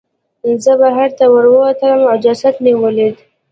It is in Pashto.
زه بهر ته ووتلم او جسد مې ولید.